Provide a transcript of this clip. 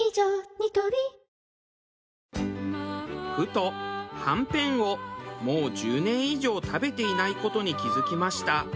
ニトリふとはんぺんをもう１０年以上食べていない事に気付きました。